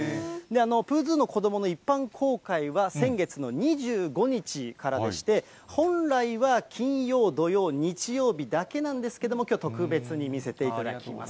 プーズーの子どもの一般公開は、先月の２５日からでして、本来は金曜、土曜、日曜日だけなんですけども、きょうは特別に見せていただきます。